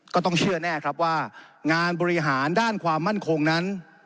ก็ต้องเชื่อแน่ครับว่างานบริหารด้านความมั่นคงนั้น